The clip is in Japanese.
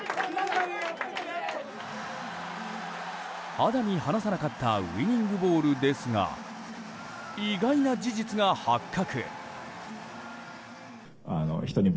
肌身離さなかったウィニングボールですが意外な事実が発覚。